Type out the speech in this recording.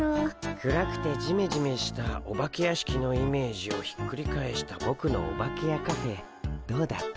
暗くてジメジメしたお化け屋敷のイメージをひっくり返したボクのオバケやカフェどうだった？